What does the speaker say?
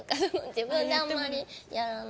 自分であんまりやらない。